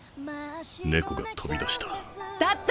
猫が飛び出した。